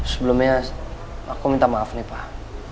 sebelumnya aku minta maaf nih pak